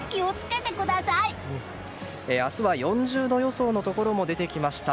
明日は４０度予想も出てきました。